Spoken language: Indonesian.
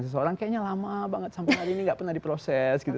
seseorang kayaknya lama banget sampai hari ini nggak pernah diproses gitu